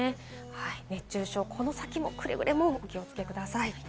熱中症、この先もくれぐれもお気をつけください。